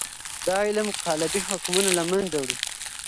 دا علم قالبي حکمونه له منځه وړي.